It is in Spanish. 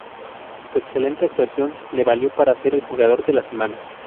Su excelente actuación le valió para ser el jugador de la semana.